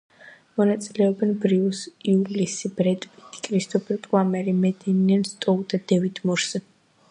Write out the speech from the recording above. მონაწილეობენ ბრიუს უილისი, ბრედ პიტი, კრისტოფერ პლამერი, მედელინ სტოუ და დევიდ მორსი.